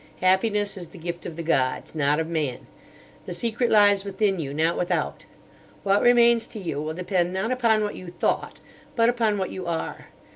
Happiness is the gift of the gods, not of man. The secret lies within you, not without. What remains to you will depend not upon what you thought, but upon what you are.